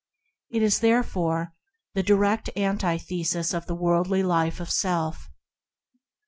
It is the direct antithesis of the worldly life of self.